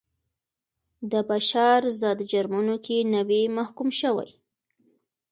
د بشر ضد جرمونو کې نه وي محکوم شوي.